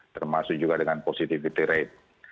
termasuk juga dengan positivity rate